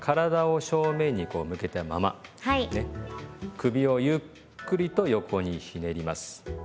首をゆっくりと横にひねります。